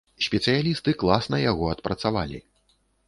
Спецыялісты класна яго адпрацавалі.